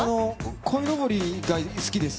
こいのぼりが好きです。